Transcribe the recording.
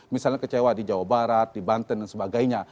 misalnya kecewa di jawa barat di banten dan sebagainya